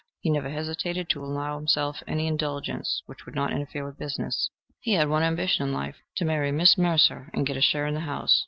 He never hesitated to allow himself any indulgence which would not interfere with business. He had one ambition in life to marry Miss Mercer and get a share in the house.